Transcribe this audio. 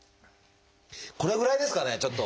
これぐらいですかねちょっと。